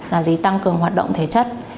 là gì tăng cường hoạt động thể chất